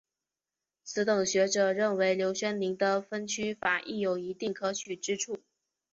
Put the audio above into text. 此等学者认为刘勋宁的分区法亦有一定可取之处。